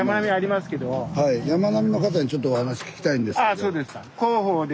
あそうですか。